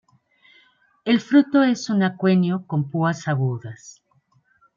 El fruto es un aquenio con púas agudas.